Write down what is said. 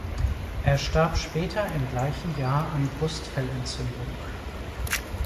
Er starb später im gleichen Jahr an Brustfellentzündung.